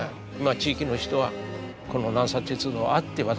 地域の人はこの南鉄道があって私たちがあったと。